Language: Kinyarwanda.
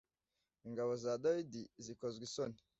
Ingabo za Dawidi zikozwa isoni